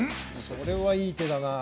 それはいい手だなあ